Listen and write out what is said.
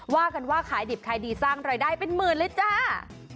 ว่ากันว่าขายดิบขายดีสร้างรายได้เป็นหมื่นเลยจ้า